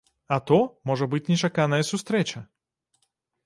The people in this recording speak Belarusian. А то, можа быць нечаканая сустрэча.